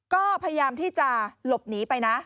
ก็พยายามที่จะหลบหนีไปนะ